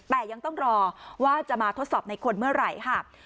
แต่ยังต้องรอว่าจะมาทดสอบในคนเมื่อไหร่ค่ะ